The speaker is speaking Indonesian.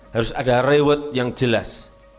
harus ada reward yang jelas